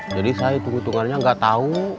jadi saya itu utungannya nggak tahu